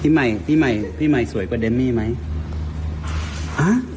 ใหม่พี่ใหม่พี่ใหม่สวยกว่าเดมมี่ไหม